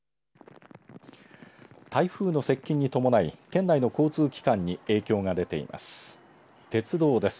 台風の接近に伴い県内の交通機関に影響が出ています。